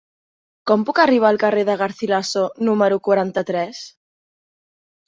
Com puc arribar al carrer de Garcilaso número quaranta-tres?